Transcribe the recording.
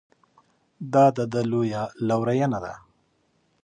دا د ده لویه لورینه ده.